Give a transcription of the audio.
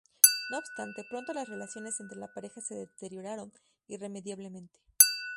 No obstante, pronto las relaciones entre la pareja se deterioraron irremediablemente.